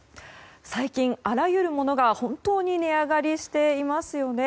最近、あらゆるものが本当に値上がりしていますよね。